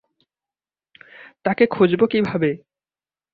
তাকে খুঁজবো কিভাবে?